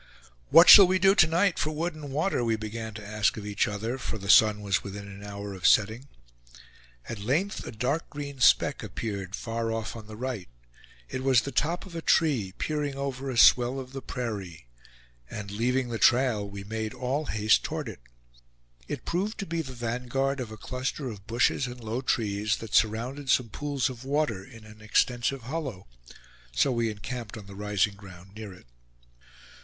"What shall we do to night for wood and water?" we began to ask of each other; for the sun was within an hour of setting. At length a dark green speck appeared, far off on the right; it was the top of a tree, peering over a swell of the prairie; and leaving the trail, we made all haste toward it. It proved to be the vanguard of a cluster of bushes and low trees, that surrounded some pools of water in an extensive hollow; so we encamped on the rising ground near it.